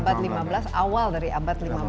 belanda ini ke abad lima belas awal dari abad lima belas